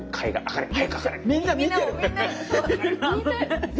みんな見てる。